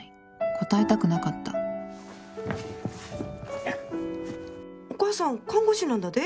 答えたくなかったお母さん看護師なんだで？